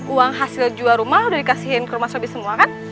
uang hasil jual rumah udah dikasihin ke rumah sobi semua kan